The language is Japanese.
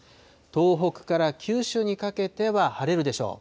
東北から九州にかけては晴れるでしょう。